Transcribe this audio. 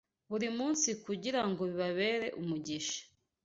buri munsi kugira ngo bibabere umugisha